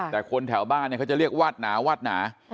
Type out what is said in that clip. แต่คนแถวบ้านเขาจะเรียกวาดหนาวาดหนา